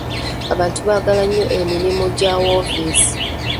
Abantu baagala nnyo emirimu gya woofiisi.